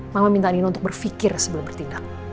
mama minta dino untuk berpikir sebelum bertindak